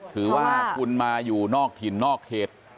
ถือว่าคุณมาอยู่นอกถิ่นนอกเขต